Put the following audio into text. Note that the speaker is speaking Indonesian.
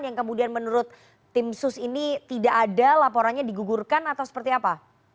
yang kemudian menurut tim sus ini tidak ada laporannya digugurkan atau seperti apa